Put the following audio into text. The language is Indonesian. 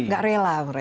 tidak rela mereka